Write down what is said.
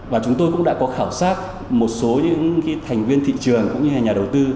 và chúng tôi cũng đã có khảo sát một số những thành viên thị trường cũng như nhà đầu tư